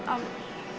kamu boleh pulang